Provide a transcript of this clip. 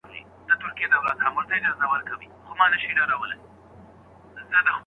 د بازاريانو په خبرو مه خفه کېږه.